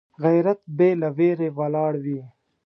غیرت بې له ویرې ولاړ وي